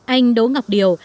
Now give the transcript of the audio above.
anh đỗ ngọc điều